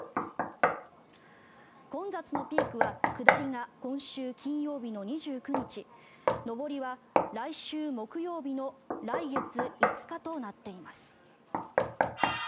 混雑のピークは下りが今週金曜日の２９日上りは来週木曜日の来月５日となっています。